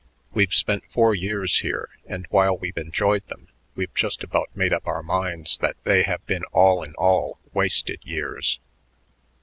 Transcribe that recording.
We've spent four years here, and while we've enjoyed them, we've just about made up our minds that they have been all in all wasted years."